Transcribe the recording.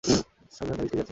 সাবধানে থাকিস, ঠিক আছে?